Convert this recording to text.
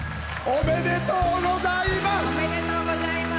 おめでとうございます！